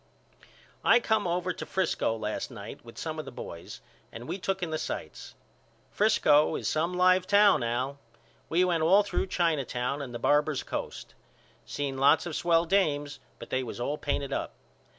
I come over to Frisco last night with some of the boys and we took in the sights. Frisco is some live town Al. We went all through China Town and the Barbers' Coast. Seen lots of swell dames but they was all painted up.